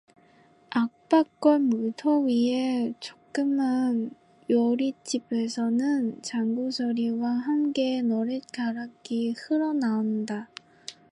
악박골 물터 위의 조그만 요릿집에서는 장구 소리와 함께 노랫가락이 흘러나온다.